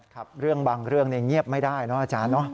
ครับเรื่องบางเรื่องเงียบไม่ได้เนอะอาจารย์เนอะ